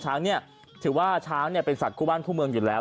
ช้างเนี่ยถือว่าช้างเป็นสัตว์คู่บ้านคู่เมืองอยู่แล้ว